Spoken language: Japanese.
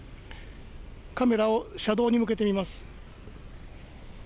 カメラを車道に向けてみます。